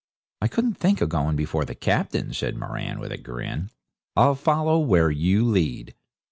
'Couldn't think of going before the Captain,' says Moran, with a grin. 'I'll follow where you lead.'